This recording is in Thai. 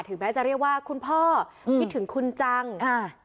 แม้จะเรียกว่าคุณพ่อคิดถึงคุณจังอ่า